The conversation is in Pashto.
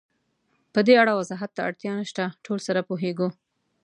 پدې اړه وضاحت ته اړتیا نشته، ټول سره پوهېږو.